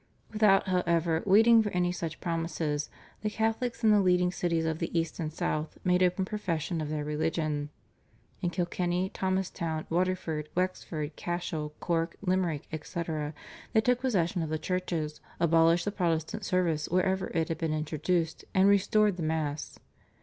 Without, however, waiting for any such promises the Catholics in the leading cities of the East and South made open profession of their religion. In Kilkenny, Thomastown, Waterford, Wexford, Cashel, Cork, Limerick, etc., they took possession of the churches, abolished the Protestant service wherever it had been introduced, and restored the Mass.